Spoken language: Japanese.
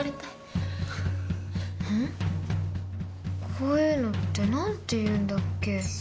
こういうのって何ていうんだっけ？